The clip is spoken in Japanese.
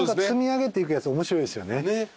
積み上げていくやつ面白いですよね。